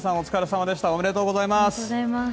おめでとうございます。